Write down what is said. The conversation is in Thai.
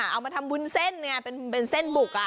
เอามาทำบุญเส้นไงเป็นเส้นบุก